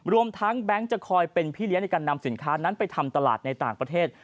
รวมทั้งแบงค์จะคอยเป็นพี่เลี้ยงในการนำสินค้านั้นไปทำตลาดในต่างประเทศ